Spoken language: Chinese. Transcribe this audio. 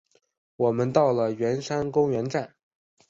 我们到了圆山公园站